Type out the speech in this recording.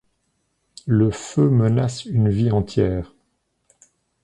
Le feu menace une ville entière.